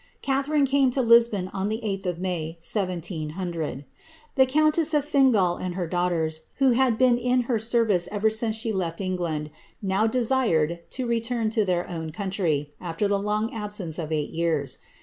Catharine came to Lisbon th of May, 1700. The countess of Fingall and her daughters, been in her service ever since she left England, now desired tc ' their own country, after the long absence of eight years.